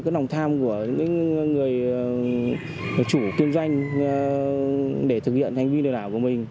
các đối tượng thường lợi dụng đánh vào cái nòng thác của những người chủ kinh doanh để thực hiện hành vi lừa đảo của mình